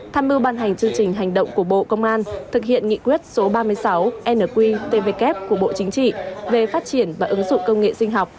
tham mưu ban hành chương trình hành động của bộ công an thực hiện nghị quyết số ba mươi sáu nqtvk của bộ chính trị về phát triển và ứng dụng công nghệ sinh học